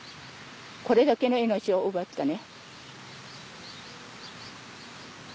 これだけの命を奪ったね。